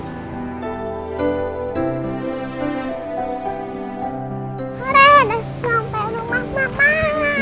hore udah sampai rumah mama